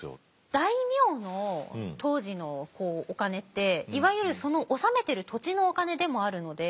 大名の当時のお金っていわゆるその治めてる土地のお金でもあるので。